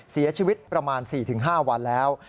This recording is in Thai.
เสียชีวิตประมาณ๔๕วันแล้ว